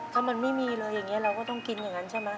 ถ้ามันไม่มีเลยอย่างนี้เราก็ต้องกินอย่างนั้นใช่ไหม